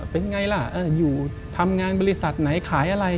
เป็นไงล่ะอยู่ทำงานบริษัทไหนขายอะไร